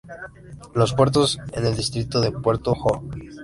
Los puertos en el distrito es Puerto de Johor